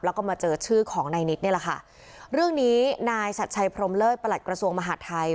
แล้วก็มาเจอชื่อของนายนิดนี่แหละค่ะเรื่องนี้นายชัดชัยพรมเลิศประหลัดกระทรวงมหาดไทย